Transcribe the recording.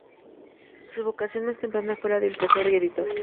Su vocación más temprana fue la de impresor y editor.